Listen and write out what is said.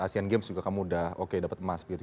asean games juga kamu udah oke dapat emas gitu